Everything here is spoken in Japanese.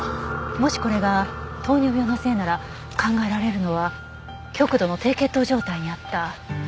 もしこれが糖尿病のせいなら考えられるのは極度の低血糖状態にあった。